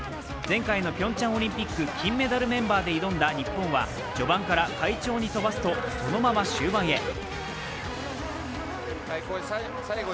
前回のピョンチャンオリンピック金メダルメンバーで臨んだ日本は序盤から快調に飛ばすもそのまま終盤へ。